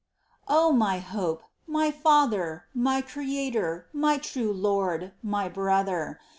O my hope, my Father, my Creator, my true Lord, my Brother